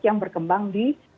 yang berkembang di